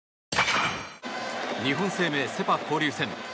日本生命セ・パ交流戦。